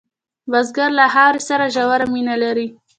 بزګر له خاورې سره ژوره مینه لري